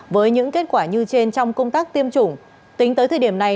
với những kết quả như trên trong công tác tiêm chủng tính tới thời điểm này